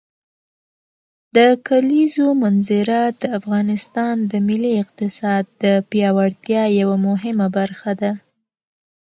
د کلیزو منظره د افغانستان د ملي اقتصاد د پیاوړتیا یوه مهمه برخه ده.